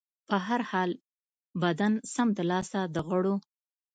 په هر حال، بدن سمدلاسه د غوړو